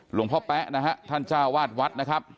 หลวงพ่อแป๊นะฮะท่านจ้าวาดวัดนะครับ